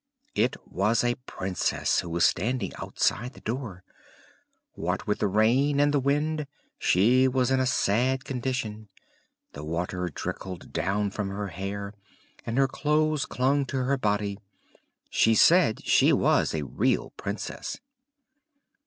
It was a Princess who was standing outside the door. What with the rain and the wind, she was in a sad condition; the water trickled down from her hair, and her clothes clung to her body. She said she was a real Princess.